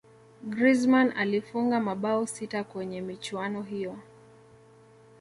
griezmann alifunga mabao sita kwenye michuano hiyo